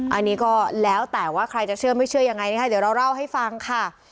อันนี้ก็แล้วแต่ว่าใครจะเชื่อไม่เชื่อยังไงนะคะเดี๋ยวเราเล่าให้ฟังค่ะ